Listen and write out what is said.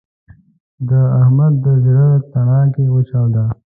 د احمد د زړه تڼاکه وچاوده.